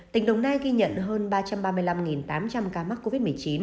tỉnh đồng nai ghi nhận hơn ba trăm ba mươi năm tám trăm linh ca mắc covid một mươi chín